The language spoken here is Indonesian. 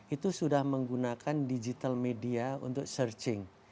itu sudah menggunakan digital media untuk searching